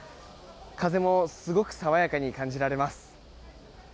風もすごく爽やかに感じられます。